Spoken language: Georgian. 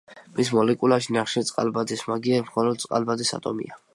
მის მოლეკულაში ნახშირწყალბადის მაგიერ მხოლოდ წყალბადის ატომია.